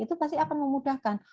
itu pasti akan memudahkan